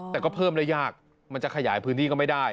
แต่ก็เพิ่มได้ยากมันจะขยายพื้นที่ก็ไม่ได้